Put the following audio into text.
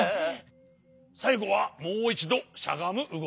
さいごはもういちどしゃがむうごきだ。